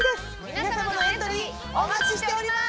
皆様のエントリーお待ちしております！